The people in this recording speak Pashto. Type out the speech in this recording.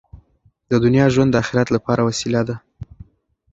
د دنیا ژوند د اخرت لپاره وسیله ده.